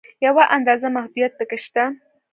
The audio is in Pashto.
یوه اندازه محدودیت په کې شته.